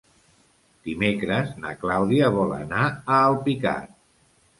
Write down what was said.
Dimecres na Clàudia vol anar a Alpicat.